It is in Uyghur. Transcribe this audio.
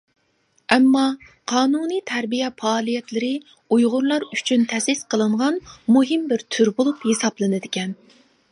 ئەمما قانۇنىي تەربىيە پائالىيەتلىرى ئۇيغۇرلار ئۈچۈن تەسىس قىلىنغان مۇھىم بىر تۈر بولۇپ ھېسابلىنىدىكەن.